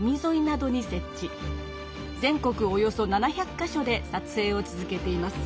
およそ７００か所でさつえいを続けています。